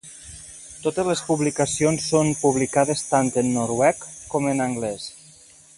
Totes les publicacions són publicades tant en noruec com en anglès.